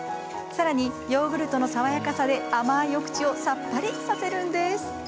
さらにヨーグルトの爽やかさで甘いお口をさっぱりさせるんです。